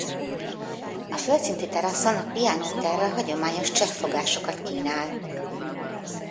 A földszinti teraszon a Piano Terra hagyományos cseh fogásokat kínál.